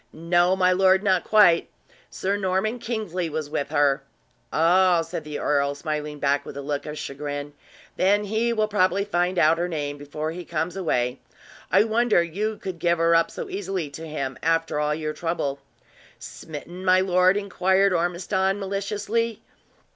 "No, my lord, not quits; Sir Norman Kingsley was with her!" "Oh!" said the earl, smiling back with a look of chagrin. "Then he will probably find out her name before he comes away. I wonder you could give her up so easily to him, after all your trouble!" "Smitten, my lord?" inquired Ormiston, maliciously.